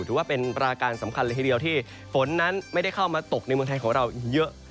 ถือว่าเป็นปราการสำคัญเลยทีเดียวที่ฝนนั้นไม่ได้เข้ามาตกในเมืองไทยของเราเยอะ